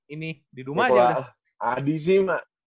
ini di rumah aja udah